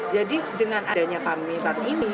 jadi dengan adanya kami saat ini